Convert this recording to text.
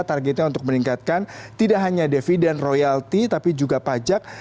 targetnya untuk meningkatkan tidak hanya dividen royalti tapi juga pajak